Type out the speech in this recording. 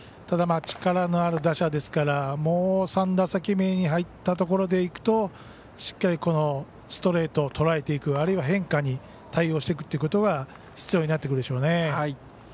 ただ、力のある打者ですからもう３打席目に入ったところでいうとしっかり、このストレートをとらえていくあるいは変化に対応していくということが必要になってくるでしょうね。